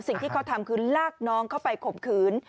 สิ่งที่เขาทำคือลากน้องเข้าไปข่มขืน